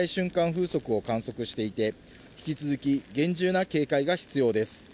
風速を観測していて、引き続き厳重な警戒が必要です。